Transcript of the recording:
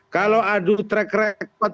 kalau aduh track record